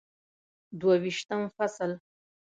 دوه ویشتم فصل